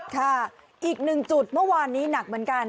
ค่ะอีกหนึ่งจุดเมื่อวานนี้หนักเหมือนกัน